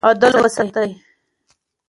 عدل وساتئ.